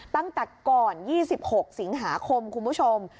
ตั้งแต่ก่อน๒๖สิงหาคมคุณผู้ชม